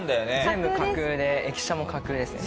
全部架空で駅舎も架空ですね